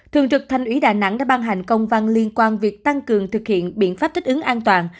thường trực thanh ủy đà nẵng đã ban hành công văn liên quan việc tăng cường thực hiện biện pháp thích ứng an toàn